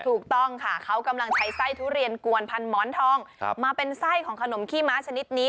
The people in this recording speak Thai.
ถูกต้องค่ะเขากำลังใช้ไส้ทุเรียนกวนพันหมอนทองมาเป็นไส้ของขนมขี้ม้าชนิดนี้